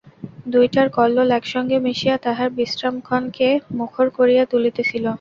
দুইটার কল্লোল একসঙ্গে মিশিয়া তাহার বিশ্রামক্ষণকে মুখর করিয়া তুলিতেছিল।